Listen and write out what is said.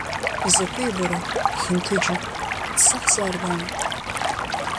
Изакәи, бара, ихьынҭыџьу, аҭса ҳзааргама?